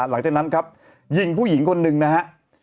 หลังจากนั้นครับยิงผู้หญิงคนหนึ่งนะฮะ